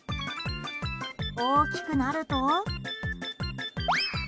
大きくなると。